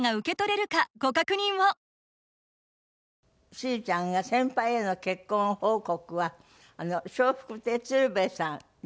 しずちゃんが先輩への結婚報告は笑福亭鶴瓶さん。